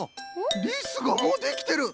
リスがもうできてる！